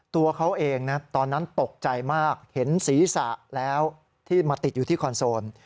ตัวเขาเองนะตอนนั้นตกใจมากเห็นศีรษะแล้วที่มาติดอยู่ที่คอนโซล